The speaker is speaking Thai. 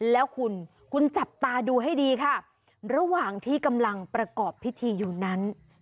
แล้วคุณคุณจับตาดูให้ดีค่ะระหว่างที่กำลังประกอบพิธีอยู่นั้น